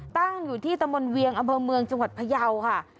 ตั้งอยู่ที่ตะมนต์เวียงอำเภอเมืองจังหวัดพยาวค่ะ